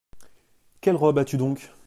Quelle robe as-tu donc ?